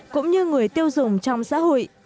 cũng như người tiêu dùng trong xã hội